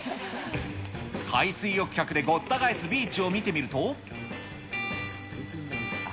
海水浴客でごった返すビーチを見てみると。